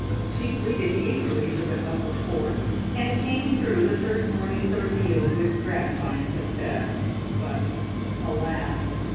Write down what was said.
She pleaded eagerly for the upper fourth, and came through the first morning's ordeal with gratifying success. But, alas!